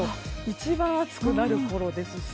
一番暑くなるころですし